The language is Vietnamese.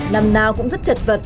năm nào cũng rất chật vật